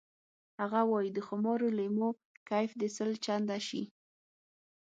هغه وایی د خمارو لیمو کیف دې سل چنده شي